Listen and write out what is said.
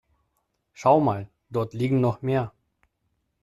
Schau mal, dort liegen noch mehr.